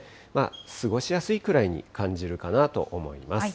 過ごしやすいくらいに感じるかなと思います。